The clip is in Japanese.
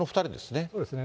そうですね。